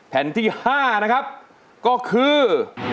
แผ่นที่๕นะครับก็คือ